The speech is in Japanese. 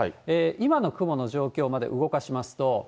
今の雲の状況まで動かしますと。